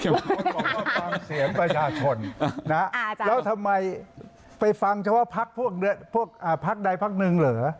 ร้านการฟังเสียประชาชนทำไมไปฟังชาวภักษ์ใดภักษ์หนึ่งหรือ